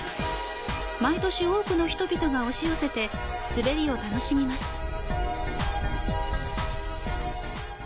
毎年、多くの人々が押し寄せて滑りを楽しみます。